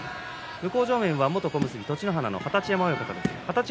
向正面は元小結栃乃花の二十山親方です。